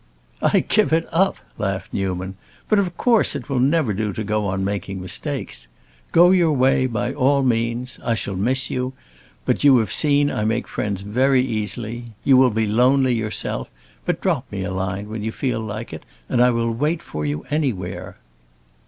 "I give it up!" laughed Newman. "But of course it will never do to go on making mistakes. Go your way, by all means. I shall miss you; but you have seen I make friends very easily. You will be lonely yourself; but drop me a line, when you feel like it, and I will wait for you anywhere."